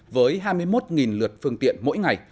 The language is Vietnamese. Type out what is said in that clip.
với hai mươi một lượt phương tiện mỗi ngày